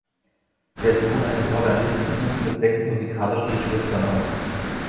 Der Sohn eines Organisten wuchs mit sechs musikalischen Geschwistern auf.